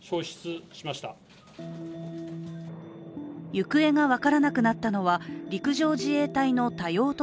行方が分からなくなったのは、陸上自衛隊の多用途